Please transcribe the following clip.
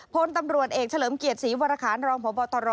พลตำรวจเอกเฉลิมเกียรติศรีวรคารรองพบตร